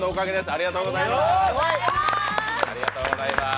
ありがとうございます。